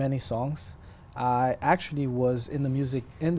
anh sẽ giới thiệu về gì